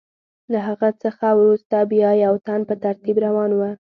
له هغه څخه وروسته بیا یو تن په ترتیب روان و.